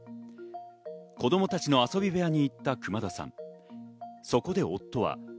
子供たちの遊び部屋へ行った熊田さん。